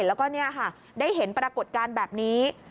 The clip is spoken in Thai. แล้วก็เนี่ยค่ะได้เห็นปรากฏการณ์แบบนี้